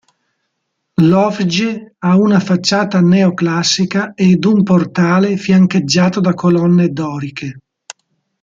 L'Hofje ha una facciata neoclassica ed un portale fiancheggiato da colonne doriche.